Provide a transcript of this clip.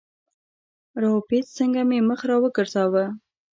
را و پېچ، څنګه مې مخ را وګرځاوه.